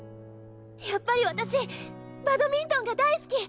やっぱり私バドミントンが大好き！